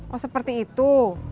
oh seperti itu